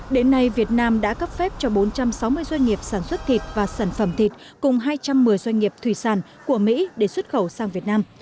đến nay việt nam đã cấp phép cho bốn trăm sáu mươi doanh nghiệp sản xuất thịt và sản phẩm thịt cùng hai trăm một mươi doanh nghiệp thủy sản của mỹ để xuất khẩu sang việt nam